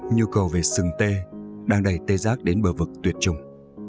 nhu cầu về sừng tê đang đẩy tê giác đến bờ vực tuyệt chủng